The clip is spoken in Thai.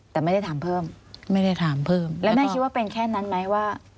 แต่ไม่ได้ถามเพิ่มไม่ได้ถามเพิ่มแล้วแม่คิดว่าเป็นแค่นั้นไหมว่า